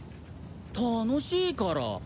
楽しいから。